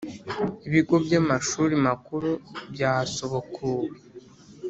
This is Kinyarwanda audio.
ibigo by amashuri makuru byasubukuwe